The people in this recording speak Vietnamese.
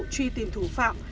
truy tìm thủ phạm